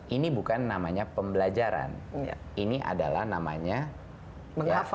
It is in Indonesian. ini bukan namanya pembelajaran ini adalah namanya graft